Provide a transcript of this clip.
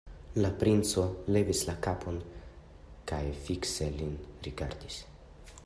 La princo levis la kapon kaj fikse lin rigardis.